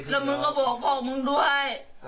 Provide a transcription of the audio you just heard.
แล้วมึงก็บอกพ่อมึงด้วย